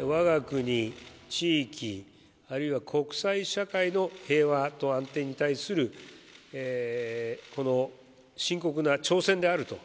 わが国、地域、あるいは国際社会の平和と安定に対する深刻な挑戦であると。